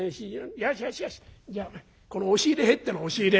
よしよしよしじゃこの押し入れ入ってろ押し入れ」。